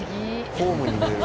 ホームに見える。